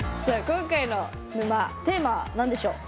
今回の沼テーマは何でしょう？